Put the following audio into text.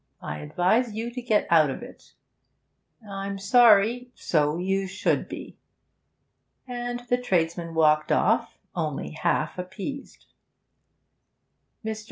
I advise you to get out of it.' 'I'm sorry ' 'So you should be.' And the tradesman walked off, only half appeased. Mr.